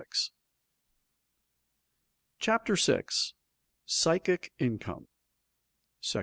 CHAPTER 6 PSYCHIC INCOME § I.